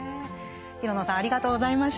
廣野さんありがとうございました。